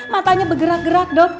matanya bergerak gerak dok